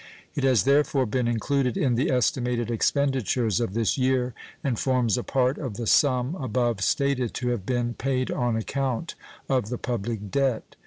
It has therefore been included in the estimated expenditures of this year, and forms a part of the sum above stated to have been paid on account of the public debt.